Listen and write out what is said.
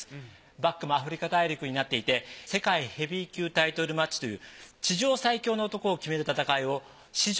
バックもアフリカ大陸になっていて世界ヘビー級タイトルマッチという地上最強の男を決める戦いを史上